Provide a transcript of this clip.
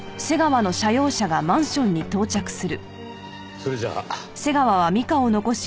それじゃあ。